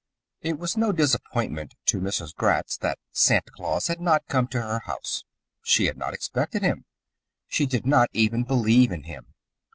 It was no disappointment to Mrs. Gratz that Santa Claus had not come to her house. She had not expected him. She did not even believe in him.